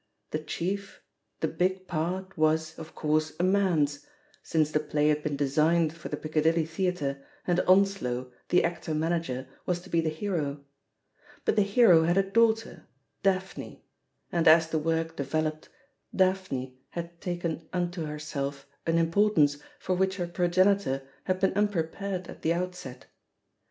The chief, the big part was, of course, a man's, since the play had been designed for the Piccadilly Theatre, and Onslow, the ac tor manager, was to be the hero; but the hero had a daughter, "Daphne," and, as the work de veloped, "Daphne" had taken unto herself an importance for which her progenitor had been unprepared at the outset.